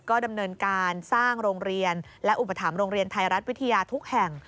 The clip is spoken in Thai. ก็ดำเนินการสร้างโรงเรียนและอุปถัมภโรงเรียนไทยรัฐวิทยาทุกแห่ง